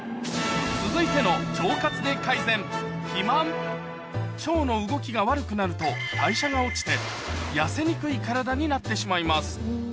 続いての腸の動きが悪くなると代謝が落ちて痩せにくい体になってしまいます